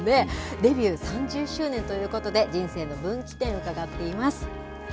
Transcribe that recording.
デビュー３０周年ということで、人生の分岐点伺っています。